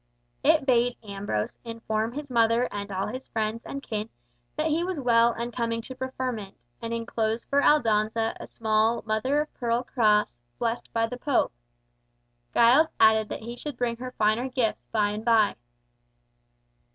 It bade Ambrose inform his mother and all his friends and kin that he was well and coming to preferment, and inclosed for Aldonza a small mother of pearl cross blessed by the Pope. Giles added that he should bring her finer gifts by and by.